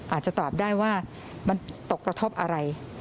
อาจจะตอบได้ว่ามันตกกระทบอะไร